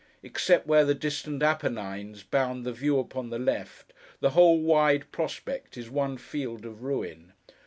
Except where the distant Apennines bound the view upon the left, the whole wide prospect is one field of ruin.